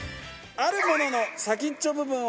あるものの先っちょ？